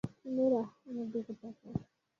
Norah, আমার দিকে তাকাও।